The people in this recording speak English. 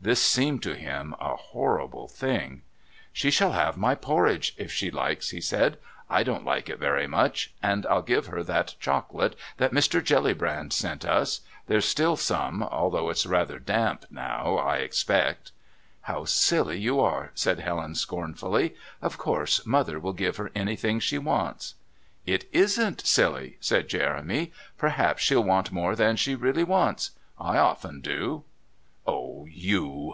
This seemed to him a horrible thing. "She shall have my porridge, if she likes," he said; "I don't like it very much. And I'll give her that chocolate that Mr. Jellybrand sent us. There's still some, although it's rather damp now, I expect." "How silly you are!" said Helen scornfully. "Of course, Mother will give her anything she wants." "It isn't silly," said Jeremy. "Perhaps she'll want more than she really wants. I often do." "Oh, you!"